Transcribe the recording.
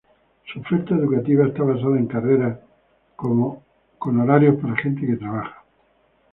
Su oferta educativa está basada en carreras con horarios para gente que trabaja.